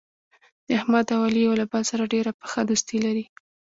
د احمد او علي یو له بل سره ډېره پخه دوستي لري.